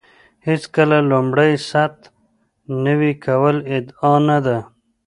هېڅکله لومړۍ سطح نوي کول ادعا نه ده.